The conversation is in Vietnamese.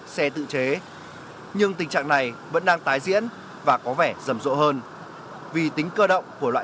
xe tự chế nhưng tình trạng này vẫn đang tái diễn và có vẻ rầm rộ hơn vì tính cơ động của loại